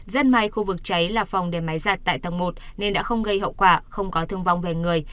rất may khu vực cháy là phòng để máy giặt tại tầng một nên đã không gây hậu quả không có thương vong về người